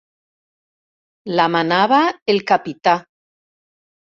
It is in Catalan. La manava el capità.